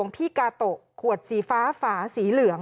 พี่กาโตะขวดสีฟ้าฝาสีเหลือง